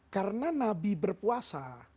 karena nabi berpuasa